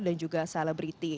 dan juga celebrity